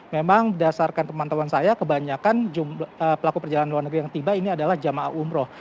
memang berdasarkan pemantauan saya kebanyakan pelaku perjalanan luar negeri yang tiba ini adalah jamaah umroh